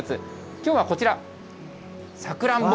きょうはこちら、さくらんぼ。